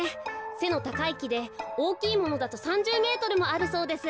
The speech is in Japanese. せのたかいきでおおきいものだと３０メートルもあるそうです。